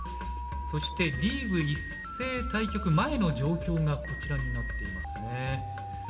そしてリーグ一斉対局前の状況がこちらになっていますね。